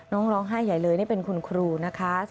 ร้องไห้ใหญ่เลยนี่เป็นคุณครูนะคะ